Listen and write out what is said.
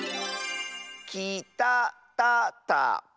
「きたたたか」！